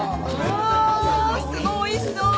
おいしそう。